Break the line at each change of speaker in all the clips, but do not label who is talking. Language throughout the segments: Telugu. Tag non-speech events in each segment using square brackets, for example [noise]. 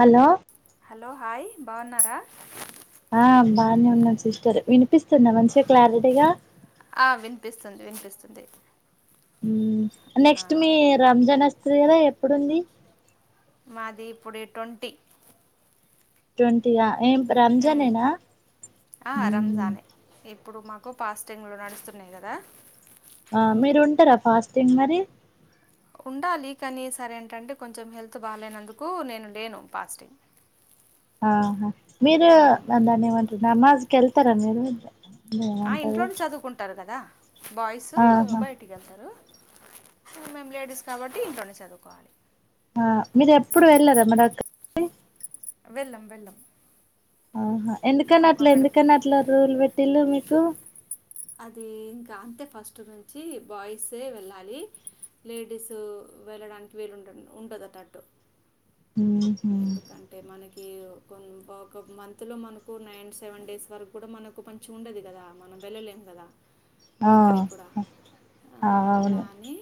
హలో
హలో హాయ్ బాగున్నారా
ఆ బాగానే ఉన్నా సిస్టర్ విను పిస్తుందా మంచిగా క్లారిటీగా
స్తుంది
మ్మ్ నెక్స్ట్ మీ రంజన్ వస్త్ శ్రీరా ఎప్పుడుంది
మాది ఇప్పుడే ట్వంటీ
టోంటీయ్య ఏం రంజానేన్న
రంజానే ఇప్పుడు మాకు పాస్టింగ్లు నడుస్తున్నాయి కదా
ఆ మీరు ఉంటారా ఫాస్టింగ్ మరి
ఉండాలి కానీ సరేంటంటే కొంచెం హెల్త్ బాగాలేనందుకు నేను లేను ఫాస్టింగ్
ఆహా మీరు దాన్దాన్ ఏమంటారు నమాజ్ కెళ్తారా మీరు [inaudible]
ఆ
ఏమంటారు
ఇంట్లోని చదువుకుంటారు కదా బాయ్స్
ఆహా
బయటికి వెళ్తారు మేము లేడీస్ కాబట్టి ఇంట్లోనే చదువుకోవాలి
ఆ మీరు ఎప్పుడు వెళ్ళారమ్మా దర్గకి
వెళ్ళం వెళ్ళం
ఆహా ఎందుకన్నా అట్లా ఎందుకన్నా అట్లా రూలు పెట్టిళ్ళు మీకు
అది ఇంకా అంతే ఫస్ట్ నుంచి బాయ్సే వెళ్ళాలి లేడీస్ వెళ్ళడానికి వీలుండదు ఉంట [unintelligible]
మ్మ్ హు
ఎందుకంటే మనక్ కి కొన్ ఒకోక్ మంత్లో మనకు నైన్ సెవెన్ డేస్ వరకు కూడా మనకు పంచ్ ఉండదు కదా మనం వెళ్ళలేము కదా ఇక్కడికూడా ఆ అలానే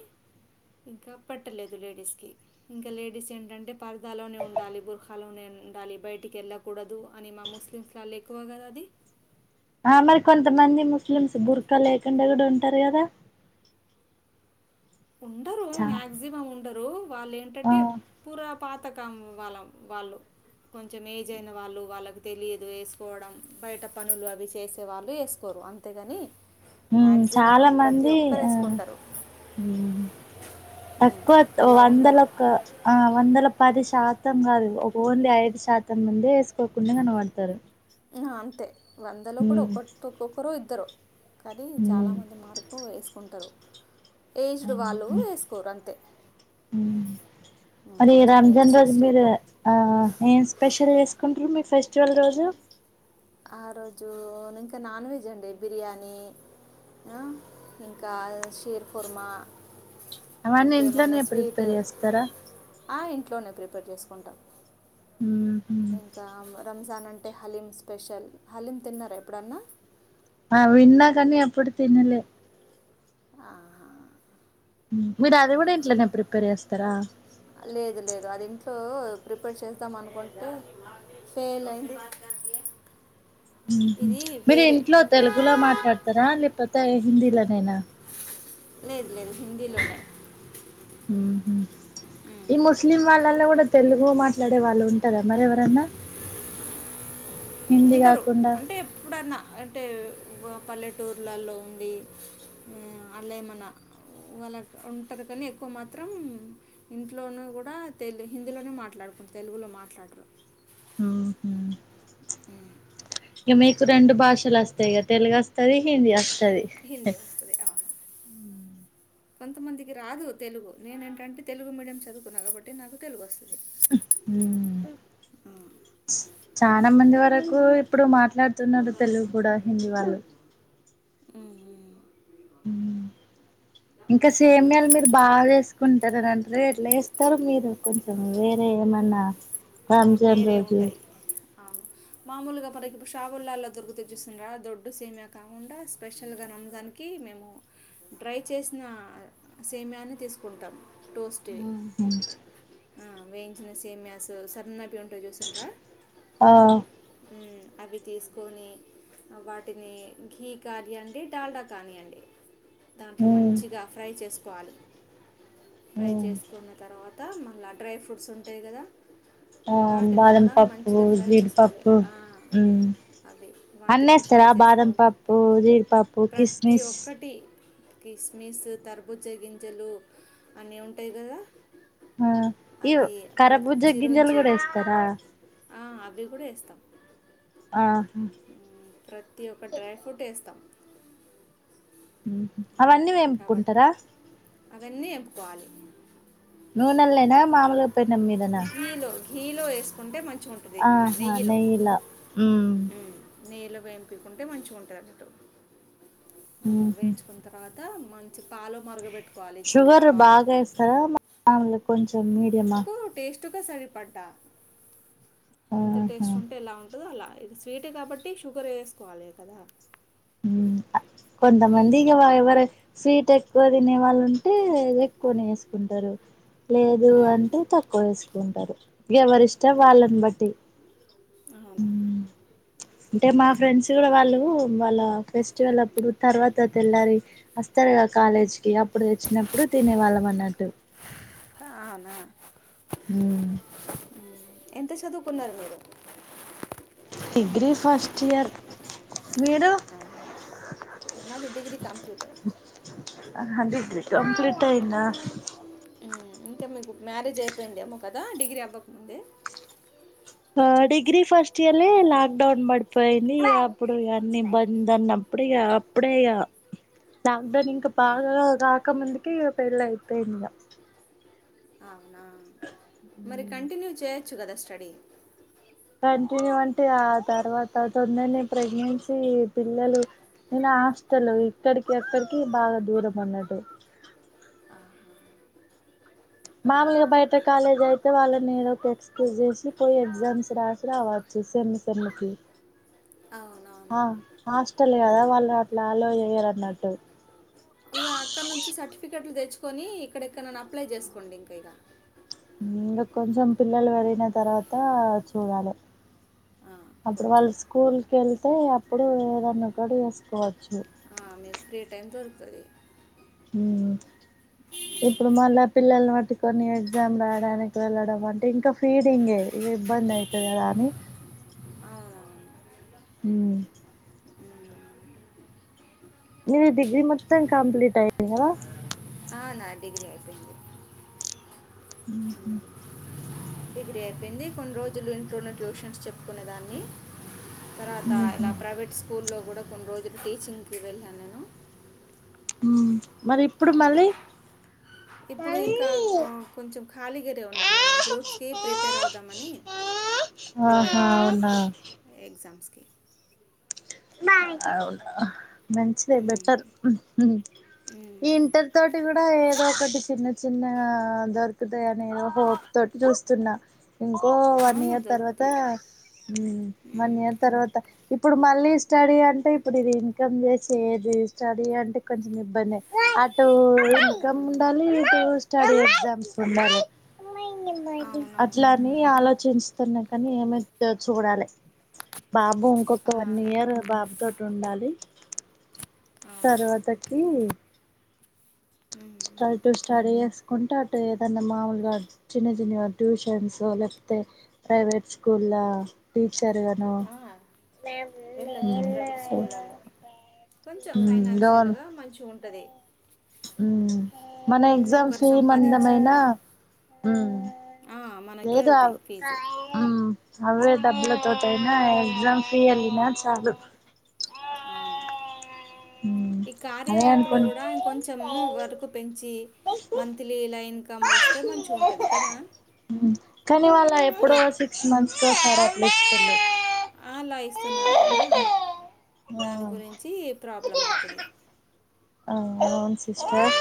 ఇంకా పెట్టలేదు లేడీస్ కి ఇంకా లేడీస్ ఏంటంటే పార్దలోనే ఉం డాలీ బుర్ఖాలోనేండాలి బయటికి వెళ్ళకూడదు అని మా ముస్లిమ్స్లో వాళ్ళు ఎక్కువ కదా అది
ఆ మరి కొంతమంది ముస్లిమ్స్ బుర్కా లేకుండా కూడా ఉంటారు కదా
ఉండరు
చా
మాక్సిమమ్ ఉం ఉండరు
ఆ
వాలెన్టంటే పూరా పాతకం వాళ్ళం వాళ్ళు కొంచెం ఏజ్ అయిన వాళ్ళు వాళ్ళకి తెలియదు వేసుకోవడం బయట పనులు అవి చేసే వాళ్ళు వేసుకోరు అంతేగాని
ఉమ్
మ్యాక్సిమం
చాలా
ప్రతి
మంది
ఒక్కరు
ఆ
వేసుకుంటారు ఉమ్,
తక్కువ
అలా
వందల
ఉండరు
ఒక ఆ వందల పది శాతం కాదు ఒక ఓన్లీ ఐదు శాతం ముందే వేసుకోకుండా కనపడ్తారు
ఆ అంతే వందలో కూడా ఒకటో ఒక్కొక్కరు ఇద్దరు కానీ
ఉమ్
చాలామంది మార్కు వేసుకుంటారు
ఆ
ఏజ్డ్ వాళ్ళు వేసుకోరు అంతే
ఉ
ఉమ్,
మరి
కొంచెం ఏజ్
రంజాన్ రోజు
సిక్స్టీ
మీరు
అబో
ఆ ఏం స్పెషల్ చేసుకుంటురు మీ ఫెస్ట్ చల్ రోజు
ఆ రోజు ఇంకా నాన్ వెజ్ అండి బిర్యానీ ఆ ఇంకా షీర్ కుర్మా
అవన్నీ
ఇంకేమైనా
ఇంట్లోనే
స్వీట్
ప్రిపేర్ చేస్తరా
ఆ, ఇంట్లోనే ప్రిపేర్ చేసుకుంటాం
ఉహు
ఇంకా రంజాన్ అం టే హలీం స్పెషల్ హలీం తిన్నరా ఎప్పుడన్నా
ఆ విన్నాకనీ ఎప్పుడు తినలే
ఆహా
మీరు అది
ఆ,
కూడా ఇంట్లనే ప్రిపేర్ చేస్తరా
లేదు లేదు అది ఇంట్లో ప్రిపేర్ చేసుద్దాం అనుకుంటే ఫెయిల్ అయింది
ఉహు
ఇది
మీరు
వేరే
ఇంట్లో తెలుగులో మాట్లాడతారా లేపోతే హిందీల నేనా
లేదు లేదు హిందీలోనే
ఉహూ ఈ ముస్లిం వాలు వాళళ్ళ కూడా తెలుగు మాట్లాడే వాళ్ళు ఉంటారా మరి ఎవరన్నా హిందీ
ఉండరు
కాకుండా
అంటే ఎప్పుడన్నా అంటే పల్లెటూర్లలో ఉండి అలేమన వాళ్ళ ఉంటరు కానీ ఎక్కువ మాత్రం ఇంట్లోను కూడా తెలుగు హిందీలోనే మాట్లాడుకుం తెలుగులో మాట్లాడరు
ఉహు
ఉమ్,
ఇగ మీకు రెండు భాషలు అస్తాయి ఇగ తెలుగు అస్తది హిందీ అస్
హిందీ వస్తది అవును కొంతమందికి రాదు తెలుగు నేను ఏంటంటే తెలుగు మీడియం చదువుకున్న కాబట్టి నాకు తెలుగు వస్తది
ఉమ్ కు ఇప్పుడు మాట్ మాట్లాడుతున్నరు తెలుగు గుడా హిందీ వాళ్ళు
ఉ హూ
ఉ ఇంకా సేమీయాలు మీరు బాగా వేసుకుంటారనీ అంట్రే ఎట్లా చేస్తారు మీరు కొంచెం వేరే ఏమన్నా
ఆ
రంజాన్
వేరే
రోజు
ఉంటాయి అవును మామూలుగా మనకి ఇప్పుడు షాపులల్లో దొరుకుతది చూసిండ్రా దొడ్డు సేమీయా కాకుండా స్పెషల్గా రంజాన్కి మేము డ్రై చేసిన సేమీయాని తీసుకుంటాము టోస్ట్ యే ఆ వేయించిన సేమియాస్ సన్నపు ఉంటాయి చూసిండ్ర
ఆ
ఉ అవి తీసుకొని వాటిని ఘీ కానీ అండి డాల్డా కానియండి దాంట్లో
ఉమ్
మంచిగా ఫ్రై చేసుకు కోవాలి ఫ్రై
ఉమ్
చేసుకున్న తర్వా [unintelligible] మళ్ళా డ్రై ఫ్రూట్స్ ఉంటాయి కదా
ఆ
వాటిని
బాదం
కూడా
పప్పు,
మంచిగా ఫ్రై చేసుకోవాలి
జీడిపప్పు
ఆ,
హు
అవి వాటిని
అన్ని
కూడా ఫ్రై
వేస్తారా బాదం
చేసుకోవాలి
పప్పు, జీడిపప్పు, కిస్మిస్
క్రిిస్మిస్, తరబుజ్జా గింజలు అన్నీ ఉంటాయి కదా
ఆ ఇవ
అది ప్రతి
కరబుజ్జకి గింజాలు
చిరుంజి
కూడా వేస్తారా
ఆ అవి కూడా వేస్తాం.
ఆ
ప్రతి ఒక్క డ్రై ఫ్రూట్ వేస్తాం.
ఉహు అవన్నీ
మ్, కాబట్టి
వెంపుకుంటారా
అవన్నీ వెంపుకోవాలి.
నూనెల్లనా మాములు
ఘీలో ఘీలో వేస్ కుంటే మం
ఆహా నెయ్యిలో హు
నెయ్యి లో వేంపీకుంటే మంచిగుంటది అన్నట్టు ఆ
ఉహు
వేయించుకున్న తర్వాత మంచి పాలు మరగ పెట్టు
షుగర్ బాగా ఏస్తారా మామూలుగా కొంచెం మీడియమా
టుగా సరిపడ్డా ఎంత
ఆహా
టేస్ట్ ఉంటే ఎలా ఉంటందో అలా ఇది స్వీట్ కాబట్టి షుగర్ వేసుకోవాలి కదా
హు కొంత మందిగా ఎవరు స్వీట్ ఎక్కువ తినే వాళ్ళు ఉంటే ఎక్కువనే ఏసుకుంటారు. లేదు
మ్మ్.
అంటే తక్కువ ఎసు కుంటారు. ఎవరిష్టం
అలా
వాళ్లని బట్టి హు
అవును
అంటే మా ఫ్రెండ్స్ కూడా వాళ్ళు వాళ్ళ ఫెస్టివల్ అప్పుడు తర్వాత తెల్లారి తేస్తారుగా కాలేజ్ కి అప్పుడు తెచ్చినప్పుడు తినేవాళ్ళం అన్నట్టు
అవునా
హు
ఎంత చదువుకున్నారు మీరు
డిగ్రీ ఫస్ట్ ఇయర్ మీరు
హ్మ్ నాది డిగ్రీ కంప్లీట్
ఆహా డిగ్రీ కంప్లీట్ అయిందా
ఇంకేం మీకు మ్యారేజ్ అయిపోయిందేమో, కదా డిగ్రీ అవ్వక్ ముందే
ఆ డిగ్రీ ఫస్ట్ ఇయర్లే లాక్ డౌన్ పడిపోయింది. ఇక అప్పుడు ఇక అన్ని బంద్ అన్నప్పుడు, ఇక అప్పుడే ఇక హ్ ప్లాక్ డౌన్ ఇంక్ పాగరో రాకముందుకే, ఇక పెళ్ళి అయిపోయింది. ఇగ
అవునా మరి కంటిన్యూ చే చ్చుగదా స్టడీ
కంటిన్యూ అంటే ఆ తర్వాత తొందరనే ప్రెగ్నెన్సీ పిల్లలు, నేనా హాస్టల్లో ఇక్కడికి అక్కడికి, బాగా దూరం అన్నట్టు ప్చ్ మామూలుగా బయట కాలేజ్ లో అయితే, వాళ్ళని ఏదో ఎక్స్క్యూజ్ చేసి పోయి, ఎగ్జామ్స్ రాసి రావచ్చు. సెమ్మ్, సెమ్ముకి
అవునవును
ఆ హాస్టల్ కదా, వాళ్ళు అట్లా అల్లో చేయరన్నట్టు
ఇకా అక్కనుంచి సర్టిఫికెట్లు తెచ్చుకొని, ఇక్కడ ఎక్కన్నన్నా అప్లై జేసుకోండి. ఇంక ఇగ
హ్మ్ ఇంగ కొంచెం పిల్లలు పెరిగిన తర్వాత చూడాలి.
ఆ,
అప్పుడు
కొంచెం
వాళ్ళ్ స్కూల్ కెల్ తే అప్పుడు ఏదన్నా కడీ చేసుకోవచ్చు.
మీక్ ఫ్రీ టైమ్ దొరుకుతది.
మ్మ్మ్ ఇప్పుడు మళ్ళాప్ పిల్లల్ను వట్టుకొన్ని ఎగ్జామ్ రాయడానికి వెళ్ళడం, అంటే ఇంకా ఫీడింగే ఇబ్బంది అయితది. కదా అని
అవునవును
హ్మ్ నీది డిగ్రీ మొత్తం కంప్లీట్ అయింది. గదా
ఆ, నా డిగ్రీ అయిపోయింది.
హు హ్
డిగిరీ అయిపైంది. కొన్ రోజులు ఇంట్లోనే, ట్యూషన్స్ చెప్పుకునేదాన్ని తర్వాత
ఊహూ
ఇలా ప్రవేట్ స్కూల్ లో కూడా కొన్ రోజులు టీచింగ్కి వెళ్ళాన్, నేను
ఆ
హ్మ్ ఇప్పుడు ఇంకా కో కొంచెం ఖాళీగారే ఉన్నాను. నేను గ్రూప్స్కి ప్రిపేర్ అవుదామని, ప్రిపేర్
ఆహా
అవుతున్నాను.
అవునా
ఎగ్జామ్స్
అవునా మంచిదే బెటర్ మ్మ్ హ్మ్మ్, ఈ ఇంటర్ తోటి కూడా ఏదో ఒకటి చిన్న చ్చి చిన్నా దొరుకుతాయి. అనే హోప్ తోటి జూస్తున్నా, ఇంకో వన్
అవును
ఇయర్ తర్వాత,
దొరుకుతాయి
హ్మ్మ్ వన్ ఇయర్ తర్వాత ఇప్పుడు మళ్ళీస్ స్టడీ అంటే ఇప్పుడు ఇది ఇన్కమ్ చేసేది. స్టడీ అంటే కొంచెం ఇబ్బందె, అటు ఇన్కమ్
అవునవును
ఉండాలి. ఇటు స్టడీ ఎగ్జామ్స్ ఉండాలే
అవునవును
అట్లాని ఆలోచించ్ తున్నాయి. కానీ ఏమై దో చూడాలి. ప్చ్ బాబు ఇంకొక్క,
ఆ,
వన్ ఇయరు బాబ్తోటి ఉండాలి.
అవును
తర్వాత కీ ప్చ్ స్టడీ టు స్టడీ చేసుకుంటా, అటు ఏదన్నా మామూలుగా చిన్న చిన్న ట్యూషన్స్ లేక్ పోయె ప్రైవేట్ స్కూల్లా టుష్
ఆ వెళ్ళొచ్చు. ప్రైవేట్ స్కూళ్ళల్లో కొంచెం
గవన్
ఫైనాన్షియల్గా మంచి ఉంటది.
మన ఎగ్జామ్
ఒక్కరు సంపాదించి
ఫీమందమైన
ఆ, మనకే
లేద
వెళ్తాయి ఫీజు
అవే డబ్బుల తోట అయినా ఎగ్జామ్ ఫ్రీ అలినా చాలు
అవును
ఉమ్
ఈ
అదే
కార్యయాప్లో
అనుకున్
కూడా కొంచెము వరకు పెంచి మంత్లీ కమ్ వస్తే మంచి ఉంటుంది కదా
కానీ వాళ్ళ
ఏ
ఎప్పుడో [inaudible]
ఆ అలా ఇస్తే స్తు ఉన్నారు కదా దాని గురించి ప్రాబ్లం అవుతుంది
అ మేన్ సిస్టర్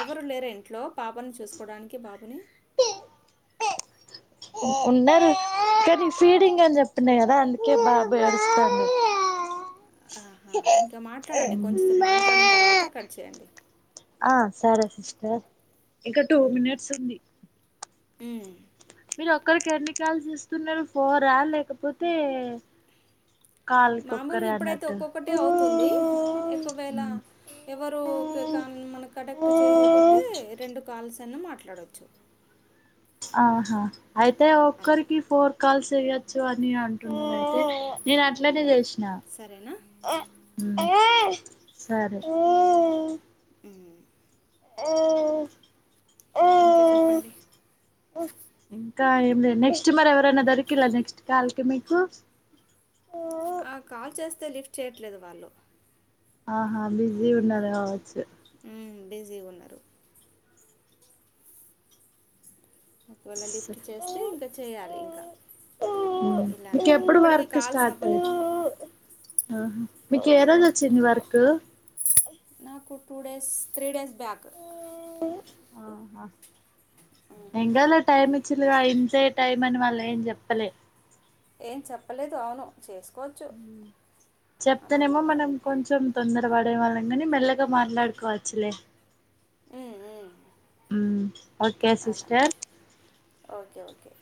ఎవరు లేరా ఇంట్లో పాపని చూసుకోవడానికి బాబుని
ప ఉన్నారు కానీ ఫీడింగ్ అని చెప్తున్నాయి కదా అందుకే బాబడుస్తాను
ఆహా ఇంకా మాట్లాడండి కొంచెంసపు మాట్లాడిన తర్వాత కట్ చేయండి
ఆ సరే సిస్టర్ ఇంకా టూ మినిట్స్ ఉంది
మ్మ్
మీరు ఒక్కరికి ఎన్నికలు చే ఇస్తున్నారు ఫోర్ ఆ లేకపోతే కాల్కి
మామూలుగా
ఒక్కరే
ఇప్పుడైతే
అన్నట్టు
ఒక్కొక్కటే అవుతుంది ఎక్కువేళ
ఉమ్
ఎవరు మన కనెక్ట్ చే కొట్టే రెండు కాల్స్ తన్ను మాట్లాడవచ్చు
ఆహా అయితే ఒక్కరికి ఫోర్ కాల్స్ ఏ గా చ్చు అని అంటున్నా అయితే నేను అట్లనే చేస నా
సరేనా?
సరే ఏ
ఇంకా చెప్పండి
కా ఇడి నెక్స్ట్ మర ఎవరన్నా దొరికిలా నెక్స్ట్ కల్కి మీకు
ఆ కాల్ చేస్తే లిఫ్ట్ చేయ్యట్లేదు వాళ్ళు
ఆహా బిజీ ఉన్నది కావచ్చు
మ్మ్ బిజీగా ఉన్నారు ఒకవేళ లిఫ్ట్ చేస్తే ఇంకా చేయాలి ఇంకా ఇలానే
మీకెప్పుడు
ఇప్పటికీ
వర్క్
కావాల్స్
స్టార్ట్
అవ్వలేదు
అయింది? ఆహా కే రోజు వచ్చింది
ఆ!
వర్కు
నాకు two days three days back
ఏం కాలే టైం ఇచ్చిన్లుగా ఇంతే టైం అని వాళ్ళు ఏం చెప్పలే
ఏం చెప్పలేదు అవును చేస్
చెప్తేనేమో
కూడా
మనం కొంచెం తొందర వాల్ పడే వాళ్ళంగనీ మెల్లగా మాట్లాడుకోవచ్చులే.
ఉమ్, ఉమ్,
మ్ ఓకే
అలా
సిస్టర్
ఓకే ఓకే